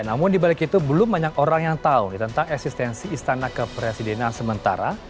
namun dibalik itu belum banyak orang yang tahu tentang eksistensi istana kepresidenan sementara